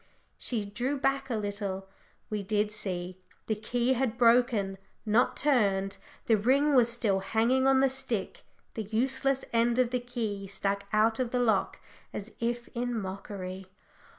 She drew back a little we did see the key had broken, not turned! the ring was still hanging on the stick; the useless end of the key stuck out of the lock as if in mockery.